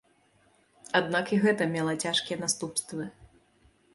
Аднак і гэта мела цяжкія наступствы.